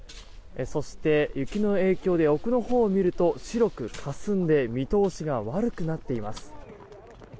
そして、雪の影響で奥のほうを見ると白くかすんで見通しが悪くなっています。